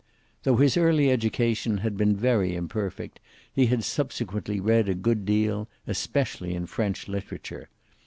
Though his early education had been very imperfect, he had subsequently read a good deal, especially in French literature.